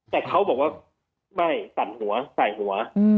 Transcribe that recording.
แต่เขาบอกว่าไม่สั่นหัวใส่หัว